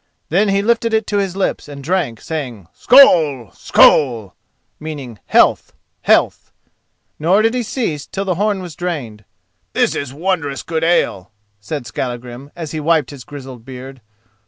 Then he lifted it to his lips and drank, saying "Skoll! skoll!"[*] nor did he cease till the horn was drained. "This is wondrous good ale," said Skallagrim as he wiped his grizzled beard.